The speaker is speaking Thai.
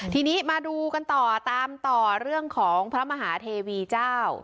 ทีนี้มาดูกันต่อตามต่อเรื่องของพระมหาเทวีเจ้า